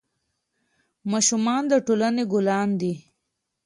ماشومان د ټولنې ګلان دي.